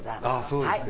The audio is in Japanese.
そうですか。